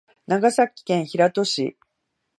長崎県平戸市